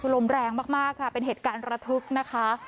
คือลมแรงมากค่ะเป็นเหตุการณ์ระทึกนะคะ